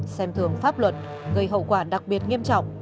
xem thường pháp luật gây hậu quả đặc biệt nghiêm trọng